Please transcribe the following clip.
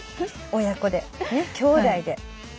親子できょうだいで。